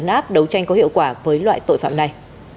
chấn áp đấu tranh có hiệu quả với loại tội phạm này